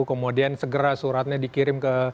kemudian segera suratnya dikirim ke